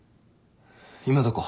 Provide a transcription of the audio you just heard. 今どこ？